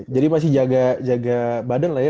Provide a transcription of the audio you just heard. jadi masih jaga badan lah ya